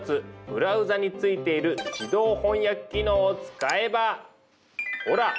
ブラウザについている自動翻訳機能を使えばほら。